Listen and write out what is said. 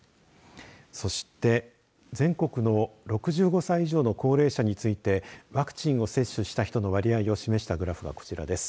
そして全国の６５歳以上の高齢者についてワクチンを接種した人の割合を示したグラフがこちらです。